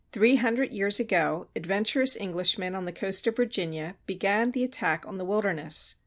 Three hundred years ago adventurous Englishmen on the coast of Virginia began the attack on the wilderness.